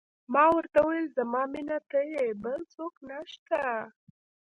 ما ورته وویل: زما مینه ته یې، بل څوک نه شته.